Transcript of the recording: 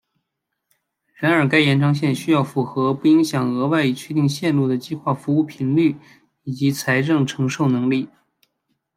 然而该延长线需要符合不影响额外已确定路线的计划服务频率以及财政承受能力。